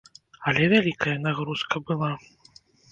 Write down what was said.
Але вялікая нагрузка была.